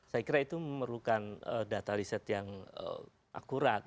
saya kira itu memerlukan data riset yang akurat